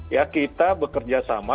ya kita bekerja sama